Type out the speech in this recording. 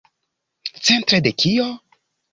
Centre de kio?